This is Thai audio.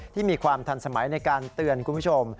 มีความทันสมัยในการเตือนคุณผู้ชม